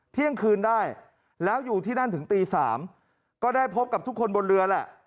เที่ยงคืนได้แล้วอยู่ที่นั่นถึงตี๓ก็ได้พบกับทุกคนบนเรือแหละ